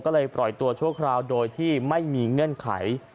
ก็เลยปล่อยตัวชั่วคราวโดยที่ไม่มีเงื่อนไข